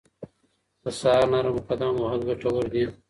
د سهار نرم قدم وهل ګټور دي.